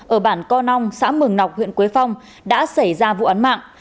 ở bản co nong xã mường nọc huyện quế phong đã xảy ra vụ án mạng